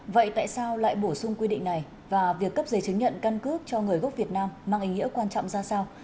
vậy tại sao lại bổ sung quy định này và việc cấp giấy chứng nhận căn cước cho người gốc việt nam mang ý nghĩa quan trọng ra sao